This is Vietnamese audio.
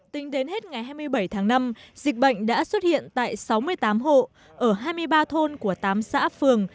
tính đến hết ngày hai mươi bảy tháng năm dịch bệnh đã xuất hiện tại sáu mươi tám hộ ở hai mươi ba thôn của tám xã phường